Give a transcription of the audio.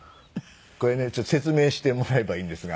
これね説明してもらえばいいんですが。